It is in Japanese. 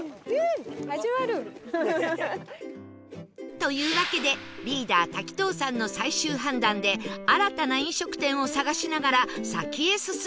というわけでリーダー滝藤さんの最終判断で新たな飲食店を探しながら先へ進む事に